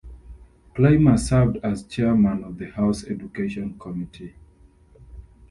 Clymer served as chairman of the House Education Committee.